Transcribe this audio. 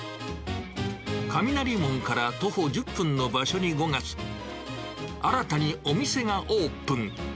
雷門から徒歩１０分の場所に５月、新たにお店がオープン。